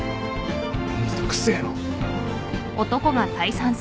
めんどくせえな。